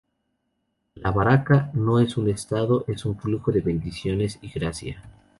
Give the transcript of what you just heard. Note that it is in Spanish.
La baraka no es un estado, es un flujo de bendiciones y gracia.